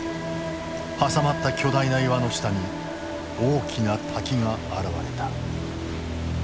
挟まった巨大な岩の下に大きな滝が現れた。